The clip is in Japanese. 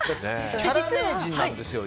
キャラ名人なんですよ。